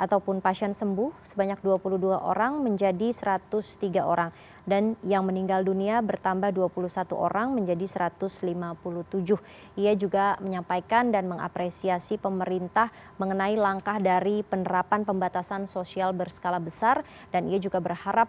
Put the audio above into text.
terima kasih selamat sore